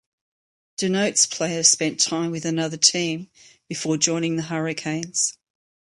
Denotes player spent time with another team before joining the Hurricanes.